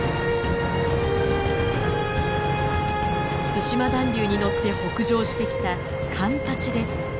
対馬暖流に乗って北上してきたカンパチです。